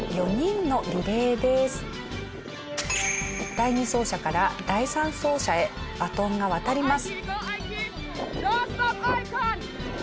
第２走者から第３走者へバトンが渡ります。